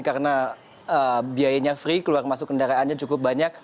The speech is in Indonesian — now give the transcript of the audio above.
karena biayanya free keluar masuk kendaraannya cukup banyak